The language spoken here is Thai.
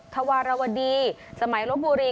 ต้องใช้ใจฟัง